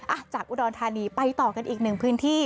อ่ะจากอุดรธานีไปต่อกันอีกหนึ่งพื้นที่